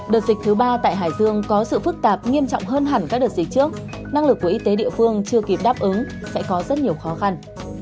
đợt dịch thứ ba tại hải dương có sự phức tạp nghiêm trọng hơn hẳn các đợt dịch trước năng lực của y tế địa phương chưa kịp đáp ứng sẽ có rất nhiều khó khăn